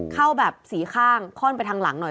เข้าแบบสีข้างค่อนไปทางหลังหน่อย